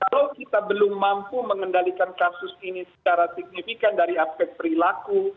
kalau kita belum mampu mengendalikan kasus ini secara signifikan dari aspek perilaku